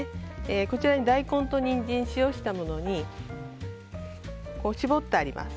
こちら、大根とニンジンに塩をしたものを絞ってあります。